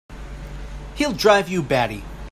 He'll drive you batty!